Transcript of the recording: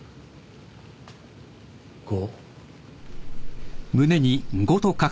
「５」！？